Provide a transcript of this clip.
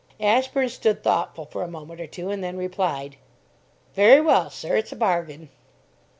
Ashburn stood thoughtful for a moment or two, and then replied "Very well, sir, it's a bargain."